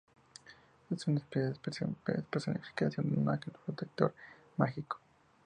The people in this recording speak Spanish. Es una especie de personificación de un ángel protector y mágico.